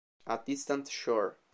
A Distant Shore